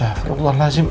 arkada yang bahasa lain ya